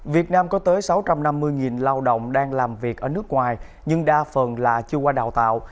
việt nam có tới sáu trăm năm mươi lao động đang làm việc ở nước ngoài nhưng đa phần là chưa qua đào tạo